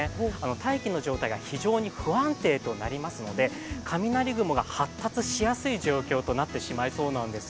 大気の状態が非常に不安定となりますので、雷雲が発達しやすい状況となってしまいそうなんです。